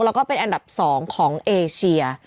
แล้วก็เป็นอันดับ๒ของเอเชีย